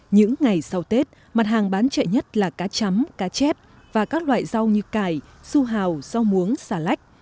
những ngày sau tết mặt hàng bán chạy nhất là cá chấm cá chép và các loại rau như cài su hào rau muống xà lách